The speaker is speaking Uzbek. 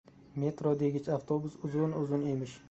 «Metro degich avtobus uzun-uzun emish».